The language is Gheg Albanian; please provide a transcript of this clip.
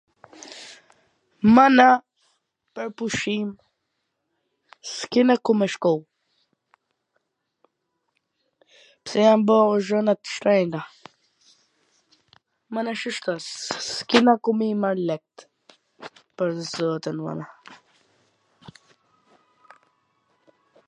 mana, pwr pushim s kena ku me shku, pse jan bo gjonat t shtrenjta, mana shishto s kena ku me i marr lekt, pwr zotin mana